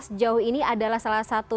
sejauh ini adalah salah satu